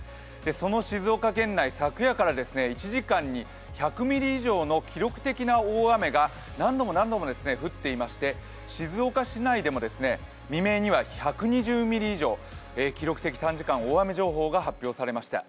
その静岡県内、昨夜から１時間に１００ミリ以上の記録的な大雨が何度も何度も降っていまして静岡市内でも未明には１２０ミリ以上記録的短時間大雨情報が発表されました。